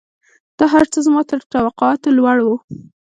دا هرڅه زما تر توقعاتو لوړ وو.